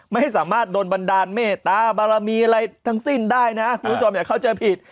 ไม่สามารถโดนบันดาลเมตตาบารมีอะไรทั้งสิ้นได้นะคุณผู้ชมอย่าเข้าใจผิด